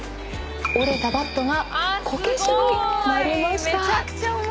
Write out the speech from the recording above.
折れたバットがこけしになりました。